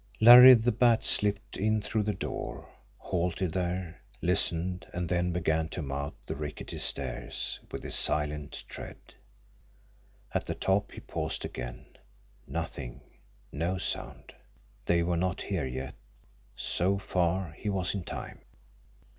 Larry the Bat slipped in through the door, halted there, listened; and then began to mount the rickety stairs, with his silent tread. At the top he paused again. Nothing no sound! They were not here yet so far he was in time!